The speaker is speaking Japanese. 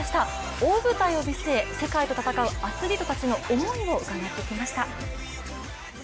大舞台を見据え、世界と戦うアスリートたちの思いを伺ってきました。